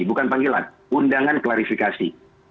bukan panggilan undangan klarifikasi